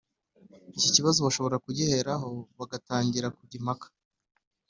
Iki kibazo bashobora kugiheraho bagatangira kujya impaka